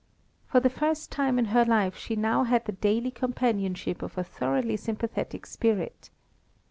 For the first time in her life she now had the daily companionship of a thoroughly sympathetic spirit.